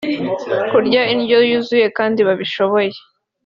kutarya indyo yuzuye kandi babishoboye